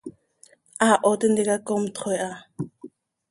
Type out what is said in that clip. Haaho tintica comtxö iha.